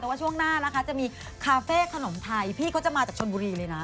แต่ว่าช่วงหน้านะคะจะมีคาเฟ่ขนมไทยพี่เขาจะมาจากชนบุรีเลยนะ